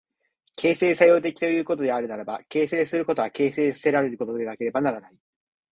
形成作用的ということであるならば、形成することは形成せられることでなければならない。